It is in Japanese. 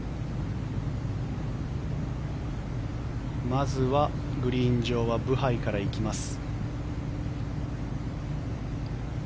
まずはグリーン上はブハイから行きます。